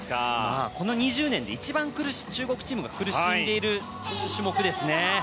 この２０年で一番中国チームが苦しんでいる種目ですね。